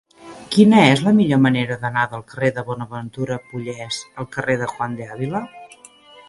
Quina és la millor manera d'anar del carrer de Bonaventura Pollés al carrer de Juan de Ávila?